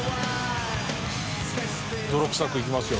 泥臭くいきますよ。